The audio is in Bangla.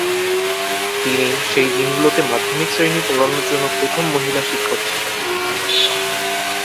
তিনি সেই দিনগুলিতে মাধ্যমিক শ্রেণি পড়ানোর জন্য প্রথম মহিলা শিক্ষক ছিলেন।